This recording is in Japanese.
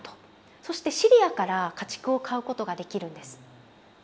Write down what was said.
そしてシリアから家畜を買うことができるんです。